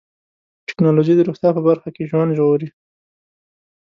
ټکنالوجي د روغتیا په برخه کې ژوند ژغوري.